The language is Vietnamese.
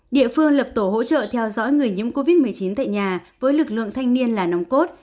địa phương lập tổ hỗ trợ theo dõi người nhiễm covid một mươi chín tại nhà với lực lượng thanh niên là nòng cốt